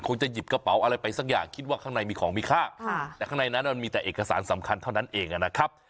จะหยิบกระเป๋าอะไรไปสักอย่างคิดว่าข้างในมีของมีค่าแต่ข้างในนั้นมันมีแต่เอกสารสำคัญเท่านั้นเองนะครับ